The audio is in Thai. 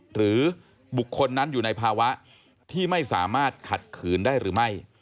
หรือบุคคลนั้นอยู่ในภาวะที่ไม่สามารถขัดขืนได้หรือไม่